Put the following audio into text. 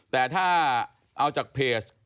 แต่ถ้าเอาจากเพจ